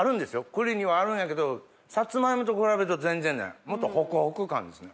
栗にはあるんやけどサツマイモと比べると全然ないもっとホクホク感ですね。